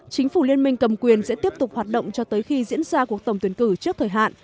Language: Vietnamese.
chính phủ liên minh cầm quyền sẽ tiếp tục hoạt động cho tới khi diễn ra cuộc tổng tuyển cử trước thời hạn